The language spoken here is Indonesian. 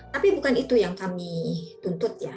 tapi bukan itu yang kami tuntut ya